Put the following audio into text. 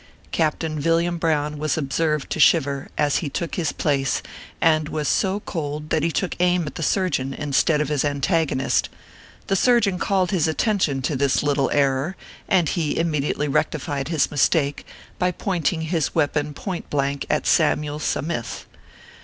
Captain Villiam Brown was observed to shiver, as he took his place, and was so cold, that he took aim at the surgeon instead of his antagonist. The sur geon called his attention to this little error ; and he immediately rectified his mistake by pointing his weapon point blank at Samyule Sa mith.